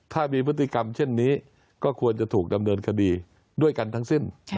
ถ้ามีพฤติกรรมเช่นนี้ก็ควรจะถูกดำเนินคดีด้วยกันทั้งสิ้น